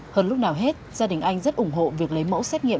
hơn lúc nào hết gia đình anh rất ủng hộ việc lấy mẫu xét nghiệm